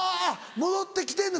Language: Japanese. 戻って来てんの。